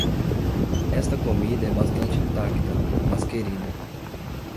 Esta comida é bastante intacta, mas querida.